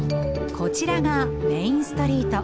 こちらがメインストリート。